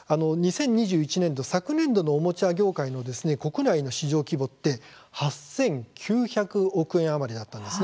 ２０２１年度、昨年度のおもちゃ業界の国内の市場規模って８９００億円余りだったんです。